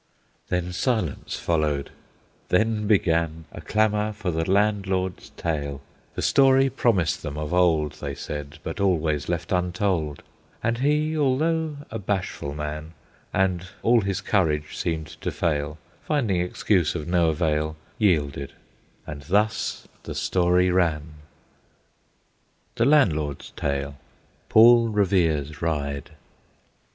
Then silence followed; then began A clamor for the Landlord's tale, The story promised them of old, They said, but always left untold; And he, although a bashful man, And all his courage seemed to fail, Finding excuse of no avail, Yielded; and thus the story ran. THE LANDLORD'S TALE. PAUL REVERE'S RIDE.